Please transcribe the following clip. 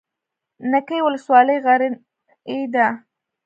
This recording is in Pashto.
نکې ولسوالۍ غرنۍ ده؟